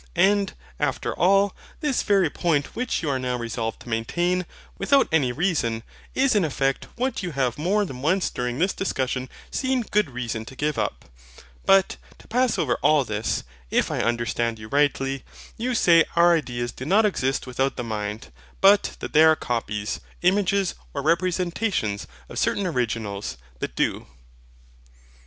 And, after all, this very point which you are now resolved to maintain, without any reason, is in effect what you have more than once during this discourse seen good reason to give up. But, to pass over all this; if I understand you rightly, you say our ideas do not exist without the mind, but that they are copies, images, or representations, of certain originals that do?